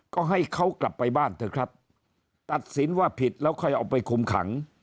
ก็ให้เขากลับไปบ้านเถอะครับตัดสินว่าผิดแล้วค่อยเอาไปคุมขัง